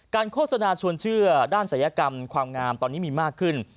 โฆษณาชวนเชื่อด้านศัยกรรมความงามตอนนี้มีมากขึ้น